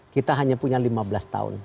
kita hanya punya lima belas tahun